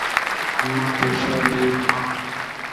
امان پيسا ڏي مانک